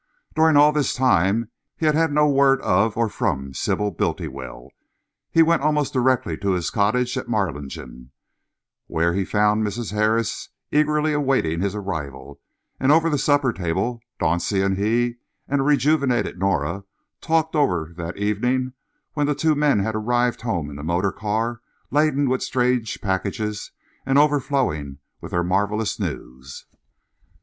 During all this time he had had no word of or from Sybil Bultiwell. He went almost directly to his cottage at Marlingden, where he found Mrs. Harris eagerly awaiting his arrival, and over the supper table, Dauncey and he and a rejuvenated Nora talked over that evening when the two men had arrived home in the motor car, laden with strange packages and overflowing with their marvellous news.